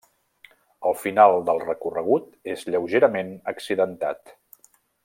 El final del recorregut és lleugerament accidentat.